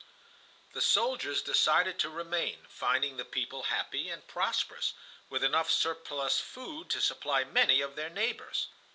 The soldiers decided to remain, finding the people happy and prosperous, with enough surplus food to supply many of their neighbors.